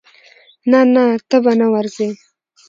نه نه ته به نه ورزې.